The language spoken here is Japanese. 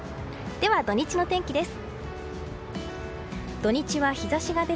では、土日の天気です。